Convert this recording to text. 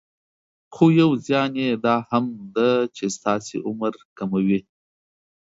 خو يو زيان يي دا هم ده چې ستاسې عمر کموي.